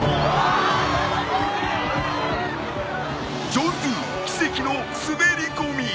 ジョンドゥー奇跡の滑り込み！